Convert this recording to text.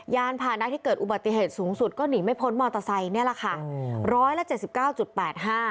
ยานภานะที่เกิดอุบัติเหตุสูงสุดก็หนีไม่พ้นมอเตอร์ไซค์นี่แหละค่ะ